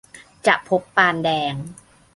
จะพบปานแดง